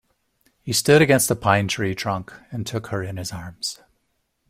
He stood against a pine-tree trunk and took her in his arms.